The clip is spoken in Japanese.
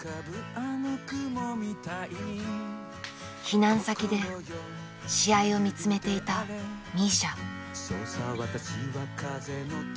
避難先で試合を見つめていたミーシャ。